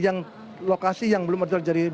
yang lokasi yang belum ada terjadi